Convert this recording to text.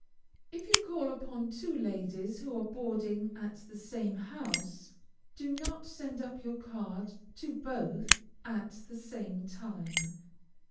If you call upon two ladies who are boarding at the same house, do not send up your card to both at the same time.